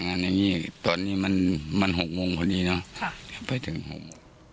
อันนี้ตอนนี้มัน๖โมงพอดีเนอะไปถึง๖โมง